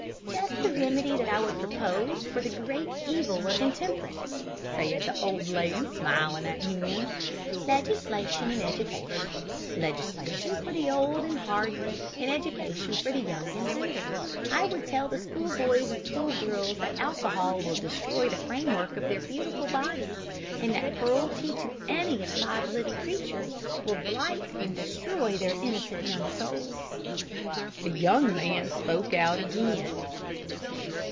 "Just the remedy that I would propose for the great evil of intemperance," said the old lady, smiling at him. "Legislation and education. Legislation for the old and hardened, and education for the young and tender. I would tell the schoolboys and schoolgirls that alcohol will destroy the framework of their beautiful bodies, and that cruelty to any of God's living creatures will blight and destroy their innocent young souls." The young man spoke again.